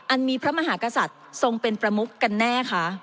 มีพระมหากษัตริย์ทรงเป็นประมุขกันแน่คะ